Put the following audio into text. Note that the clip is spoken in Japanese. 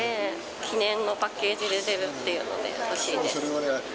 記念のパッケージ出てるっていうんで、欲しいです。